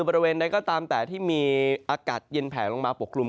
บริเวณใดก็ตามแต่ที่มีอากาศเย็นแผลลงมาปกกลุ่ม